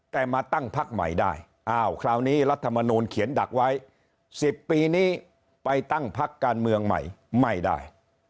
แต่มาตั้งพักใหม่ได้อ้าวคราวนี้รัฐมนูลเขียนดักไว้๑๐ปีนี้ไปตั้งพักการเมืองใหม่ไม่ได้